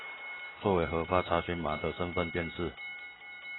作為核發查詢碼的身分辨識